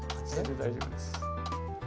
大丈夫です。